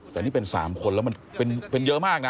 แต่นี่เป็น๓คนแล้วมันเป็นเยอะมากนะ